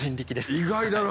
意外だな！